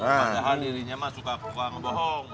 padahal dirinya mah suka buka buka bohong